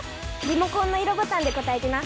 リモコンの色ボタンで答えてな！